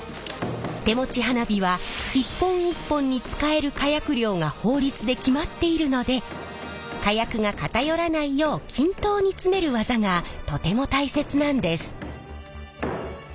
手持ち花火は一本一本に使える火薬量が法律で決まっているので火薬が偏らないよう均等に詰める技がとても大切なんです。